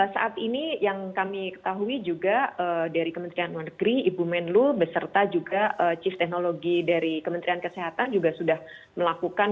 saat ini yang kami ketahui juga dari kementerian luar negeri ibu menlu beserta juga chief technology dari kementerian kesehatan juga sudah melakukan